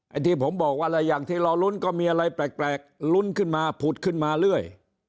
ที่ผมบอกว่าอะไรอย่างที่รอลุ้นก็มีอะไรแปลกลุ้นขึ้นมาผุดขึ้นมาเรื่อย